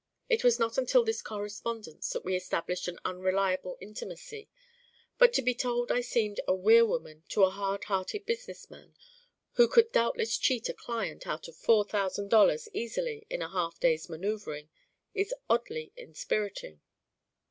It was not until this correspondence that we established an unreliable intimacy. But to be told I seemed a weir woman to a hard headed business man who could doubtless cheat a client out of four thousand dollars easily in a half day's maneuvering is oddly inspiriting.